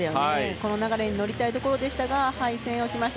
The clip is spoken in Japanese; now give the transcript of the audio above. この流れに乗りたいところでしたが敗戦をしました。